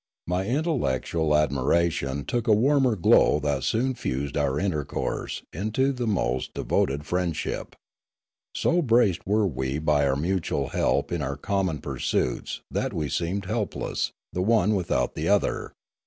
My intellectual admiration took a warmer glow that soon fused our intercourse into the most de voted friendship. So braced were we by our mutual help in our common pursuits that we seemed helpless, the one without the other.